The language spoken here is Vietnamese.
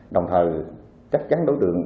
đồng thời chắc chắn đối tượng